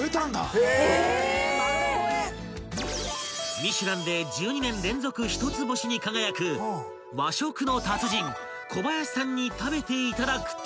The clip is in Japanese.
［ミシュランで１２年連続１つ星に輝く和食の達人小林さんに食べていただくと］